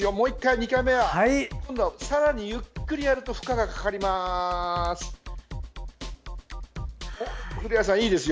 ２回目は、さらにゆっくりやると負荷がかかります。